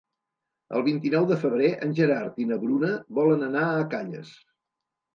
El vint-i-nou de febrer en Gerard i na Bruna volen anar a Calles.